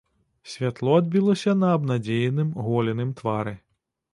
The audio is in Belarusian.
Святло адбілася на абнадзееным голеным твары.